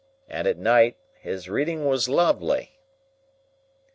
And at night his reading was lovely."